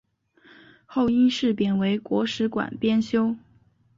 后因事贬为国史馆编修。